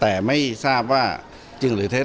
แต่ไม่ทราบว่าจริงหรือเท็จ